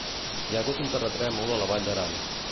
Hi ha hagut un terratrèmol a la Vall d'Aran.